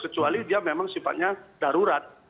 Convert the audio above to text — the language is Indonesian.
kecuali dia memang sifatnya darurat